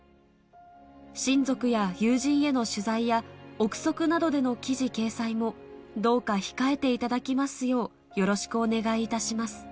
親族や友人への取材や、臆測などでの記事掲載も、どうか控えていただきますようよろしくお願いいたします。